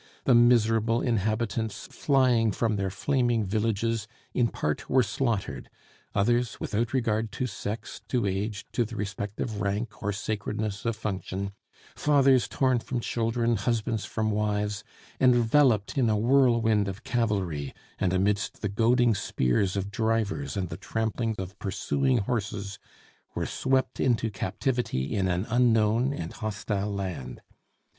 The miserable inhabitants, flying from their flaming villages, in part were slaughtered; others, without regard to sex, to age, to the respect of rank, or sacredness of function, fathers torn from children, husbands from wives, enveloped in a whirlwind of cavalry, and amidst the goading spears of drivers and the trampling of pursuing horses, were swept into captivity in an unknown and hostile land.